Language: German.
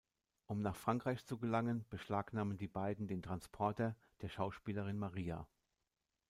Um nach Frankreich zu gelangen, beschlagnahmen die beiden den Transporter der Schauspielerin Maria.